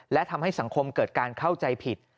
และทำให้สังคมเกิดการเข้าใจผิด